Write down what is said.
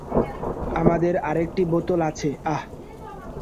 আমাদের আরেকটি বোতল আছে আহ।